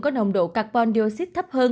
có nồng độ carbon dioxide thấp hơn